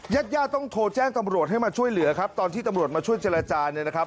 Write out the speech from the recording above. ญาติญาติต้องโทรแจ้งตำรวจให้มาช่วยเหลือครับตอนที่ตำรวจมาช่วยเจรจาเนี่ยนะครับ